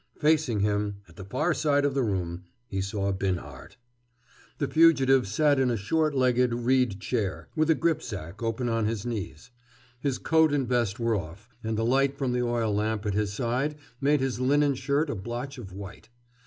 Facing him, at the far side of the room, he saw Binhart. The fugitive sat in a short legged reed chair, with a grip sack open on his knees. His coat and vest were off, and the light from the oil lamp at his side made his linen shirt a blotch of white.